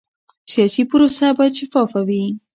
سیاسي پروسه باید شفافه وي